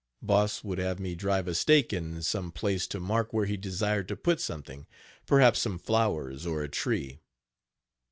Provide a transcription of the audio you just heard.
Boss would have me drive a stake in some place to mark where he desired to put something, perhaps some flowers, or a tree.